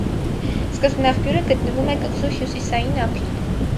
Սկզբնաղբյուրը գտնվում է կղզու հյուսիսային ափին։